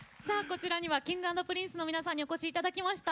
こちらにはＫｉｎｇ＆Ｐｒｉｎｃｅの皆さんにお越し頂きました。